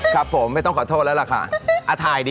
ครับผมไม่ต้องขอโทษแล้วล่ะคะอ่าถ่ายดิ